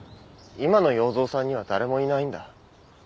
今の要造さんには誰もいないんだ。